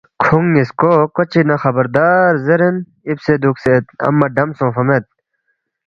کھونگ نیسکو کوچہ نہ خبردار زیرین ایپسے دوگسید امہ ڈم سونگفہ مید۔